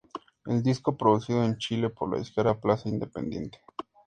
El disco producido en Chile por la disquera "Plaza Independiente".